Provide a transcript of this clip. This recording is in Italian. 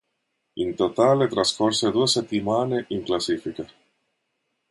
In totale trascorse due settimane in classifica.